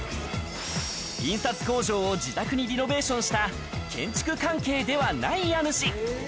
印刷工場を自宅にリノベーションした建築関係ではない家主。